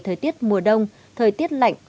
thời tiết mùa đông thời tiết lạnh